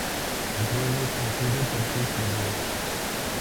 El pueblo es conocido por sus verduras.